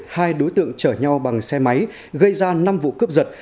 hai đối tượng chở nhau bằng xe máy gây ra năm vụ cướp giật